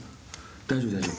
大丈夫大丈夫。